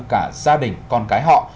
cả gia đình con cái họ